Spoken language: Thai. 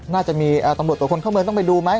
น่าจะมีตำรวจตรวจคนเข้าเมืองต้องไปดูไหม